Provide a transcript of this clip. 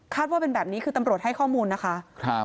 ว่าเป็นแบบนี้คือตำรวจให้ข้อมูลนะคะ